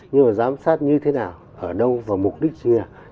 nhưng mà giám sát như thế nào ở đâu và mục đích như thế nào